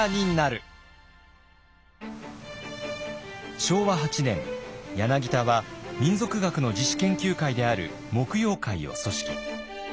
昭和８年柳田は民俗学の自主研究会である木曜会を組織。